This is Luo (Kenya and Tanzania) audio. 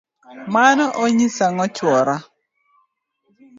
mano onyiso ang'o chuora?